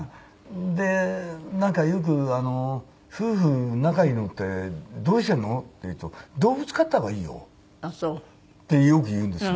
でなんかよく「夫婦仲いいのってどうしてんの？」って言うと「動物飼った方がいいよ」ってよく言うんですよ。